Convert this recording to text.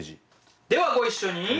ではご一緒に。